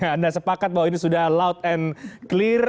anda sepakat bahwa ini sudah loud and clear